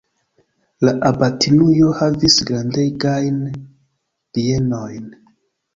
La abatinujo havis grandegajn bienojn.